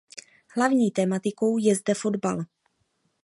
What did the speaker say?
Hlavní tematikou je zde fotbal.